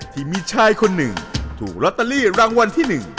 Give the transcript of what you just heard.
ที่มีชายคนหนึ่งถูกลอตเตอรี่รางวัลที่๑